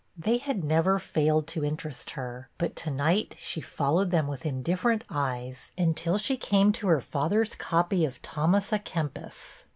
They had never failed to interest her, but to night she followed them with indifferent eyes until she came to 'her father's copy of Thomas a Kempis.